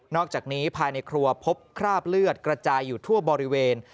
อกจากนี้ภายในครัวพบคราบเลือดกระจายอยู่ทั่วบริเวณ